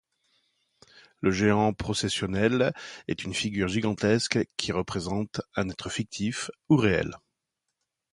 Le géant processionnel est une figure gigantesque qui représente un être fictif ou réel.